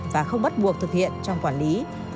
và không bắt buộc thực hiện trong quản lý